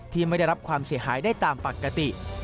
ไม่ได้รับความเสียหายได้ตามปกติ